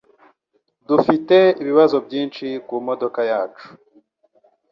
Dufite ibibazo byinshi kumodoka yacu.